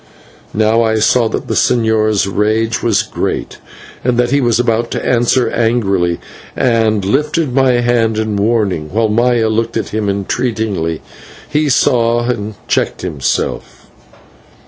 Now I saw that the señor's rage was great, and that he was about to answer angrily, and lifted my hand in warning, while Maya looked at him entreatingly. He saw, and checked himself.